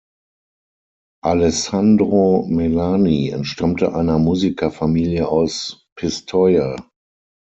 Alessandro Melani entstammte einer Musikerfamilie aus Pistoia.